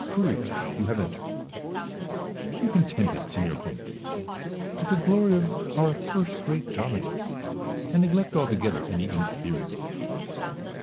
career you have entered, Be contented, signor Conte, with the glory of our first great dramatist, and neglect altogether any inferior one.